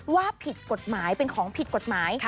ว่าผิดกฎหมายเป็นของผิดกฎหมาย